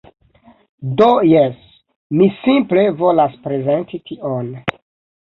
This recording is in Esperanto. Do jes, mi simple volas prezenti tion.